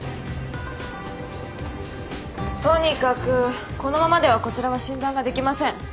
とにかくこのままではこちらは診断ができません。